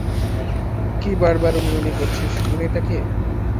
কি বারবার উনিী-উনি করছিস, উনিটা কে?